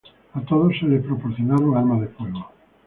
A todos se les proporcionaron armas de fuego.